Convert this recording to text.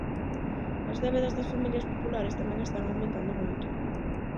As débedas das familias populares tamén están aumentando moito.